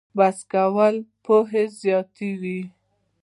بحث کول پوهه زیاتوي